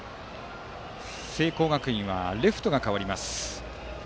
聖光学院はレフトが代わります。